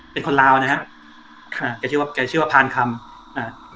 เป็นคนลาวนะฮะค่ะแกชื่อว่าแกชื่อว่าพานคำอ่า